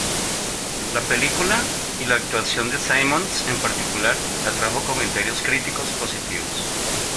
La película, y la actuación de Simmons en particular, atrajo comentarios críticos positivos.